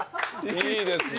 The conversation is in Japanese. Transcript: いいですね。